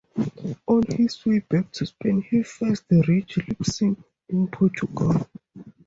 On his way back to Spain he first reached Lisbon, in Portugal.